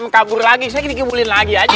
kabur lagi saya dikibulin lagi aja